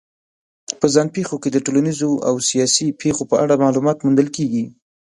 په ځان پېښو کې د ټولنیزو او سیاسي پېښو په اړه معلومات موندل کېږي.